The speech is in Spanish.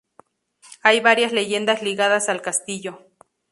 Hay varias leyendas ligadas al castillo.